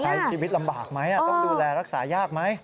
ใช้ชีวิตลำบากไหมต้องดูแลรักษายากไหม